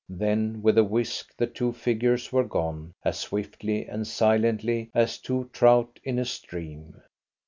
Then with a whisk the two figures were gone, as swiftly and silently as two trout in a stream.